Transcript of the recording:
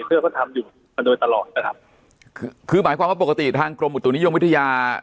เราก็ทำอยู่มาโดยตลอดนะครับคือหมายความว่าปกติทางกรมอุตุนิยมวิทยา